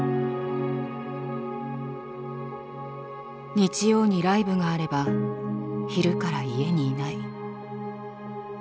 「日曜にライヴがあれば昼から家に居ない。